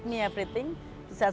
tennis mengajar saya segalanya